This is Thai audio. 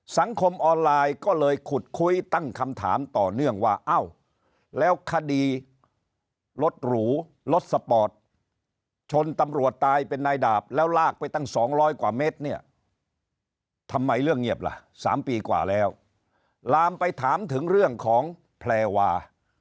สังคมออนไลน์ก็เลยขุดคุยตั้งคำถามต่อเนื่องว่าเอ้าแล้วคดีรถหรูรถสปอร์ตชนตำรวจตายเป็นนายดาบแล้วลากไปตั้ง๒๐๐กว่าเมตรเนี่ยทำไมเรื่องเงียบล่ะ๓ปีกว่าแล้วลามไปถามถึงเรื่องของแพลวา